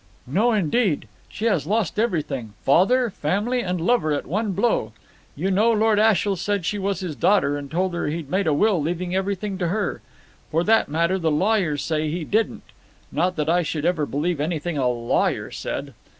"No, indeed. She has lost everything: father, family and lover at one blow. You know Lord Ashiel said she was his daughter, and told her he'd made a will leaving everything to her. For that matter the lawyers say he didn't not that I should ever believe anything a lawyer said.